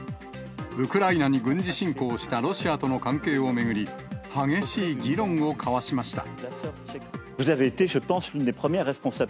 ウクライナに軍事侵攻したロシアとの関係を巡り、激しい議論を交わしました。